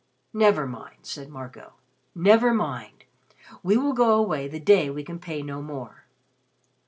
"Never mind," said Marco. "Never mind. We will go away the day we can pay no more."